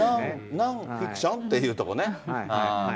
ノンーフィクションっていうところね？